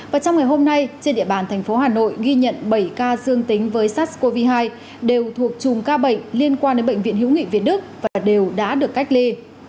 và trong ngày hôm nay trên địa bàn thành phố hà nội ghi nhận bảy ca dương tính với sars cov hai đều thuộc chùm ca bệnh liên quan đến bệnh viện hiếu nghị việt đức và đều đã được cách ly